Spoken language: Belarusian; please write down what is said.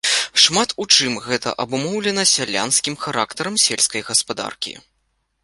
Шмат у чым гэта абумоўлена сялянскім характарам сельскай гаспадаркі.